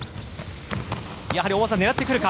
やはり大技を狙ってくるか。